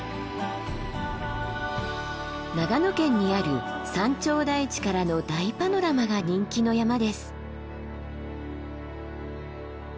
長野県にある山頂台地からの大パノラマが人気の山です。